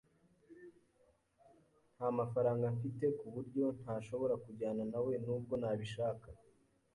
Ntamafaranga mfite, kuburyo ntashobora kujyana nawe nubwo nabishaka.